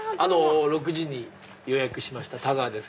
６時に予約しました太川です。